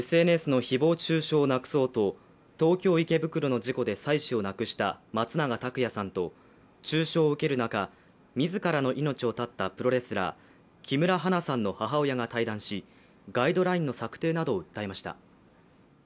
ＳＮＳの誹謗中傷をなくそうと、東京・池袋の事故で妻子を亡くした松永拓也さんと中傷を受ける中、自らの命を絶ったプロレスラー、木村花さんの母親が対談しガイドラインの策定などを訴えました。